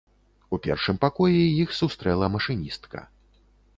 У першым пакоі іх сустрэла машыністка.